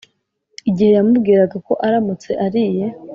igihe yamubwiraga ko aramutse ariye